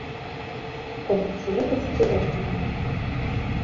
Канец лета будзе дажджлівым.